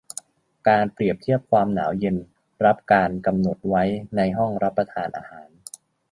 การเปรียบเทียบความหนาวเย็นได้รับการกำหนดไว้ในห้องรับประทานอาหาร